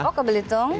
oh ke belitung